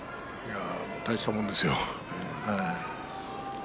大したものですよ。